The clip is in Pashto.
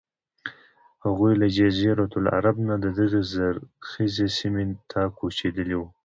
هغوی له جزیرة العرب نه دغې زرخیزې سیمې ته کوچېدلي وو.